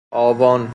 آوان